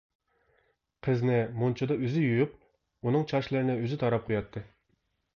قىزنى مۇنچىدا ئۆزى يۇيۇپ، ئۇنىڭ چاچلىرىنى ئۆزى تاراپ قوياتتى.